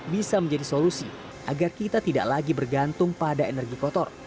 bisa menjadi solusi agar kita tidak lagi bergantung pada energi kotor